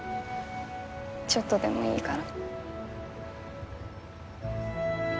ちょっとでもいいから。